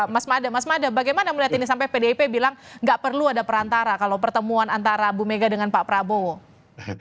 mas mada mas mada bagaimana melihat ini sampai pdip bilang nggak perlu ada perantara kalau pertemuan antara bu mega dengan pak prabowo